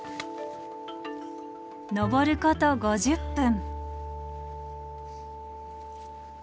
登ること５０分。